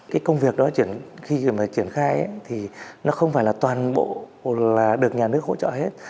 cái công việc đó khi mà triển khai thì nó không phải là toàn bộ là được nhà nước hỗ trợ hết